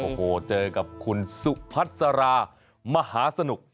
โอ้โหเจอกับคุณสุพัสรามหาสนุก